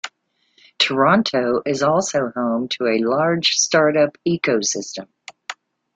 Toronto is also home to a large startup ecosystem.